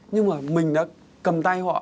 nhưng mà mình đã cầm tay họ